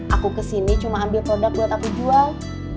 aku kesini cuma ambil produk buat aku jual